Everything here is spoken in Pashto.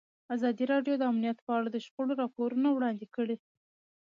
ازادي راډیو د امنیت په اړه د شخړو راپورونه وړاندې کړي.